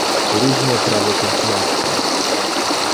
Różne prawo konsumenckie